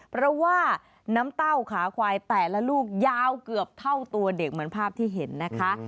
เพราะว่าน้ำเต้าขาควายแต่ละลูกยาวเกือบเท่าตัวเด็กเหมือนภาพที่เห็นนะคะ